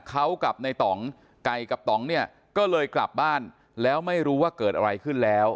เขากับในต่องไก่กับต่องเนี่ยก็เลยกลับบ้านแล้วไม่รู้ว่าเกิดอะไรขึ้นแล้ว